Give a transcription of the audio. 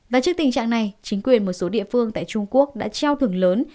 và trước tình trạng này chính quyền một số địa phương tại trung quốc đã treo thưởng lớn